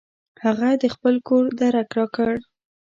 هغه د خپل کور درک راکړ.